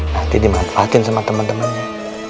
nanti dimanfaatin sama teman temannya